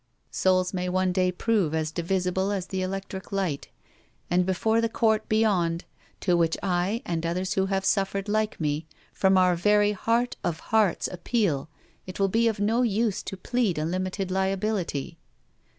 Souls may one day prove as divisible as the electric light; and before the Court beyond, to which I, and others who have suffered like me, from our very heart of hearts appeal, it will be of no use to plead a limited liability.